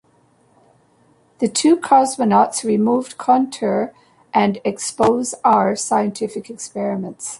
The two cosmonauts removed Kontur and Expose-R scientific experiments.